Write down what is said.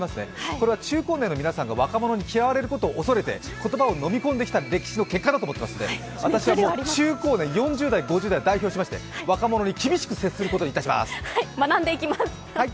これは中高年の皆さんが若者に嫌われることを避けて言葉を飲み込んできた結果だと思ってますので、私はもう中高年４０代、５０代を代表しまして厳しく接していきます。